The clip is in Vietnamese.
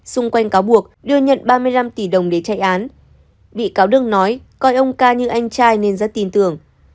xung quanh cáo buộc đưa nhận ba mươi năm tỷ đồng để chạy án bị cáo đương nói coi ông ca như anh trai nên rất tin tưởng